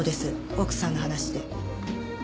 奥さんの話で。